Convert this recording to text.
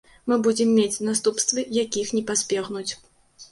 Мы будзем мець наступствы, якіх не пазбегнуць.